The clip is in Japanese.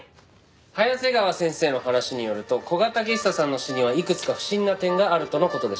早瀬川先生の話によると古賀武久さんの死にはいくつか不審な点があるとの事でした。